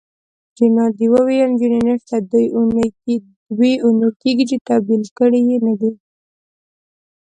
رینالډي وویل: نجونې نشته، دوې اونۍ کیږي چي تبدیلي کړي يې نه دي.